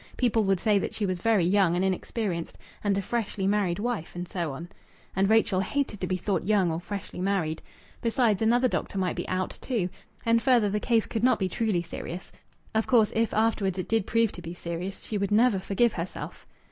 People would say that she was very young and inexperienced, and a freshly married wife, and so on. And Rachel hated to be thought young or freshly married. Besides, another doctor might be "out" too. And further, the case could not be truly serious. Of course, if afterwards it did prove to be serious, she would never forgive herself.